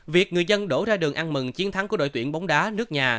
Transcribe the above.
việc người dân đổ ra đường ăn mừng chiến thắng của đội tuyển bóng đá nước nhà